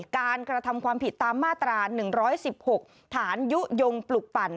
กระทำความผิดตามมาตรา๑๑๖ฐานยุโยงปลุกปั่น